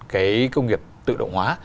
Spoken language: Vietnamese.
cái công nghiệp tự động hóa